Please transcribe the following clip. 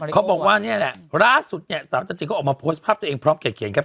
เขาบอกว่านี่แหละล่าสุดเนี่ยสาวจันจิก็ออกมาโพสต์ภาพตัวเองพร้อมเขียนกัน